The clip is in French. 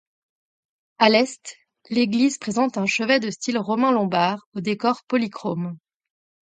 À l'est, l'église présente un chevet de style roman lombard au décor polychrome.